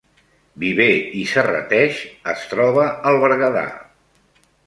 Viver i Serrateix es troba al Berguedà